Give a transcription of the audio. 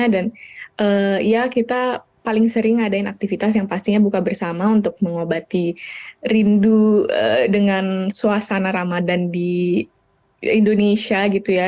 dan ya kita paling sering ngadain aktivitas yang pastinya buka bersama untuk mengobati rindu dengan suasana ramadan di indonesia gitu ya